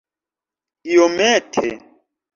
iomete